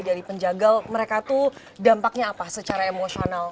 dari penjagal mereka tuh dampaknya apa secara emosional